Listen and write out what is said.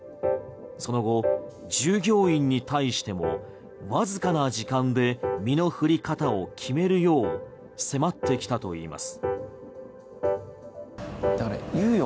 その後、従業員に対してもわずかな時間で身の振り方を決めるよう迫ってきたといいます。